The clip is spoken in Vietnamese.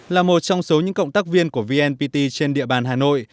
là một trong số những cộng tác viên của vnpt trên địa bàn hà nội